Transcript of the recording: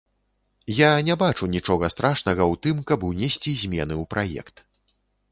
Я не бачу нічога страшнага ў тым, каб унесці змены ў праект.